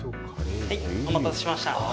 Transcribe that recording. お待たせしました。